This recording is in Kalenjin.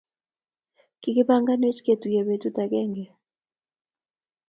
Kigipanganwech ketuiye betut agenge